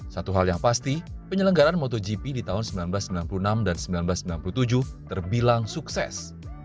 satu hal yang pasti penyelenggaran motogp di tahun seribu sembilan ratus sembilan puluh enam dan seribu sembilan ratus sembilan puluh tujuh terbilang sukses